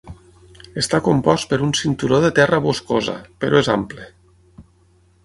Està compost per un cinturó de terra boscosa, però és ample.